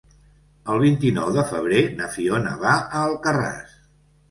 El vint-i-nou de febrer na Fiona va a Alcarràs.